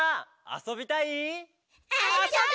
あそびたいっ！」